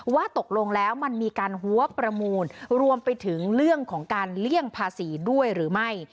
ว่าตกลงแล้วมันมีการหัวประมูลรวมไปถึงเรื่องของการเลี่ยงภาษีด้วยหรือไม่